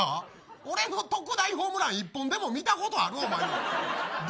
俺の特大ホームラン１本でも見たことあるかお前。